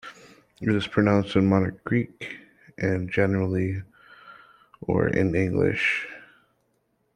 It is pronounced in Modern Greek, and generally or in English.